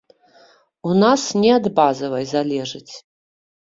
У нас не ад базавай залежыць.